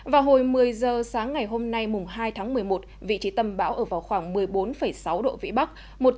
vào hồi một mươi giờ sáng ngày hôm nay mùng hai tháng một mươi một vị trí tâm bão ở vào khoảng một mươi bốn sáu độ vĩ bắc